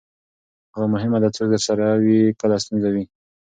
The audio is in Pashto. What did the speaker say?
مهمه ده، څوک درسره وي کله ستونزه وي.